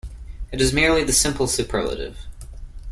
It is merely the simple superlative.